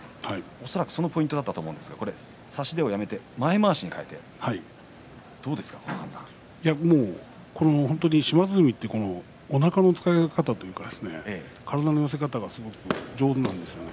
恐らくそのポイントだったと思うんですが、差し手をやめて前まわしに替えて島津海っておなかの使い方というか体の寄せ方がすごく上手なんです。